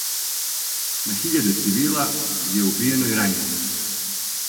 На хиљаде цивила је убијено и рањено.